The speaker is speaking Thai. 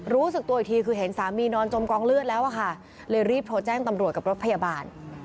รู้สึกตัวอีกทีคือเห็นสามีนอนจมกองเลือดแล้วอะค่ะเลยรีบโทรแจ้งตำรวจกับรถพยาบาล